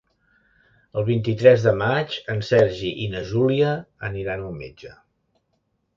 El vint-i-tres de maig en Sergi i na Júlia aniran al metge.